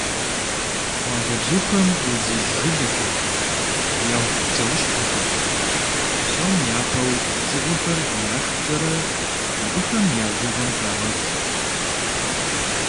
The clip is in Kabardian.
Къуалэбзухэм удзыжь жылэхэр, егъу псэущхьэхэр, псом япэу дзыгъуэхэр яшхкӀэрэ, абыхэм я бжыгъэм хагъэщӀ.